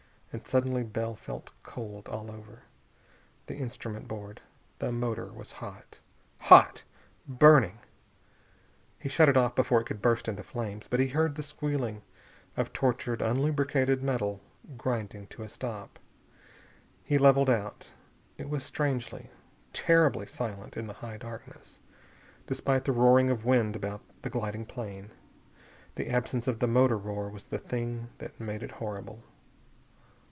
And suddenly Bell felt cold all over. The instrument board! The motor was hot. Hot! Burning! He shut it off before it could burst into flames, but he heard the squealing of tortured, unlubricated metal grinding to a stop. He leveled out. It was strangely, terribly silent in the high darkness, despite the roaring of wind about the gliding plane. The absence of the motor roar was the thing that made it horrible.